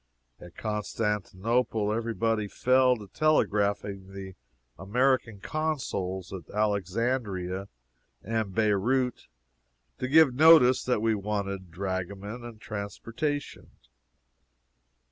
At Constantinople every body fell to telegraphing the American Consuls at Alexandria and Beirout to give notice that we wanted dragomen and transportation.